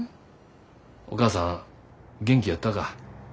お義母さん元気やったか？